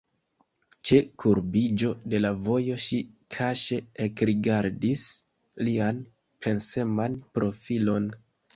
Ĉe kurbiĝo de la vojo ŝi kaŝe ekrigardis lian penseman profilon.